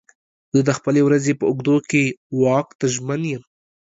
زه د خپلې ورځې په اوږدو کې واک ته ژمن یم.